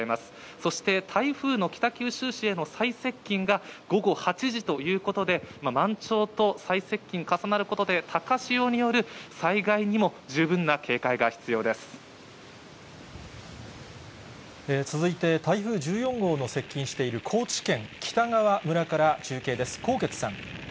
そして台風の北九州市への最接近が、午後８時ということで、満潮と最接近、重なることで高潮による災続いて、台風１４号の接近している高知県北川村から中継です。